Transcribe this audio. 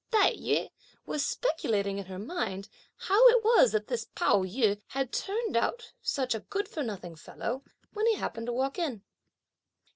Tai yü was speculating in her mind how it was that this Pao yü had turned out such a good for nothing fellow, when he happened to walk in.